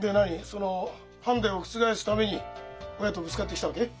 そのハンデを覆すために親とぶつかってきたわけ？